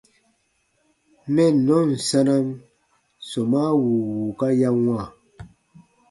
Mɛnnɔn sanam sɔmaa wùu wùuka ya wãa.